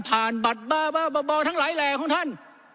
ผ่านบัตรบ้าทั้งหลายแหล่ของท่าน